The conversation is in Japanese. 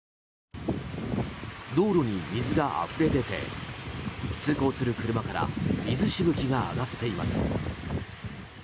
道路に水があふれ出て通行する車から水しぶきが上がっています。